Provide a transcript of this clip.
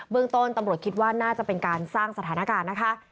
เรื่องต้นตำรวจคิดว่าน่าจะเป็นการสร้างสถานการณ์นะคะ